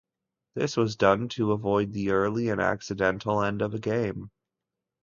This was done to avoid the early and accidental end of a game.